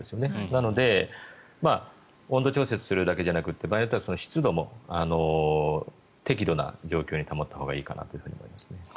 なので温度調節するだけじゃなくて場合によっては湿度も適度な状況に保ったほうがいいかなと思いますね。